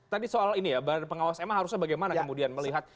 tadi soal ini ya badan pengawas ma harusnya bagaimana kemudian melihat